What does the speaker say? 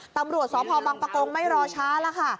ตำรวจสพบังปะกงไม่รอช้าแล้วค่ะ